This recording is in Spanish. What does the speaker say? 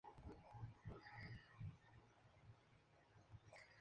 Sacramento y la Virgen del Rosario.